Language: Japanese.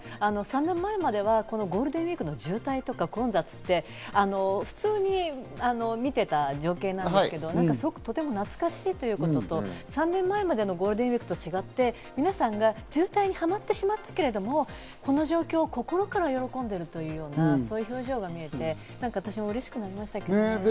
３年前はこのゴールデンウイークの混雑とか渋滞って普通に見ていた情景なんですけど、すごく懐かしいということと、３年前までのゴールデンウイークと違って皆さんが渋滞にはまってしまったけれども、この状況を心から喜んでいるというようなそういう表情が見えて、私もうれしくなりましたけどね。